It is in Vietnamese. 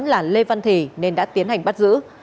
là lê văn thì nên đã tiến hành bắt giữ